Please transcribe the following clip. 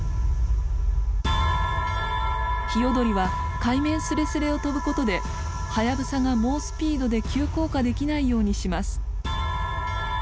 ヒヨドリは海面すれすれを飛ぶことでハヤブサが猛スピードで急降下できないようにします。